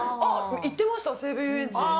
行ってました、西武遊園地。